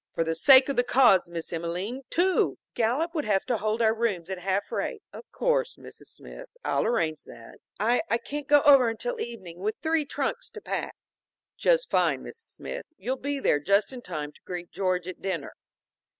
"For the sake of the cause, Miss Emelene, too!" "Gallup would have to hold our rooms at half rate." "Of course, Mrs. Smith. I'll arrange all that." "I I can't go over until evening, with three trunks to pack." "Just fine, Mrs. Smith. You'll be there just in time to greet George at dinner."